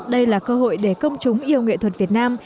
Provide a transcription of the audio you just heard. đây là cơ hội để công chúng yêu nghệ thuật việt nam